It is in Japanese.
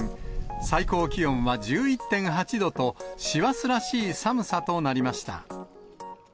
最高気温は１１．８度と、師走らしい寒さとなりました。